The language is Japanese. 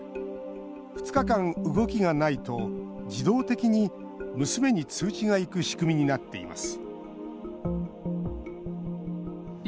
２日間、動きがないと自動的に娘に通知がいく仕組みになっています